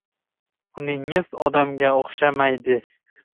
— Uningiz odamga o‘xshamaydi!